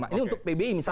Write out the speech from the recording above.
ini untuk pbi misalnya